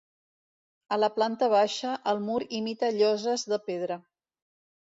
A la planta baixa, el mur imita lloses de pedra.